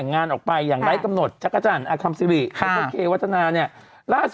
น้องแจ๊กหิงหละ